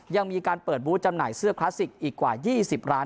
ยังมีการเปิดบูธจำหน่ายเสื้อคลาสสิกอีกกว่า๒๐ร้าน